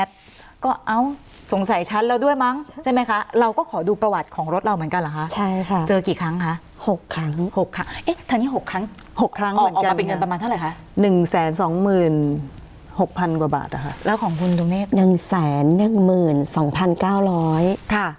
ออกมาเป็นเงินประมาณเท่าไรค่ะ๑แสน๒๖๐๐๐กว่าบาทอ่าค่ะแล้วของคุณตรงนี้๑๑๖๐๐๐๐๒๙๐๐ค่ะ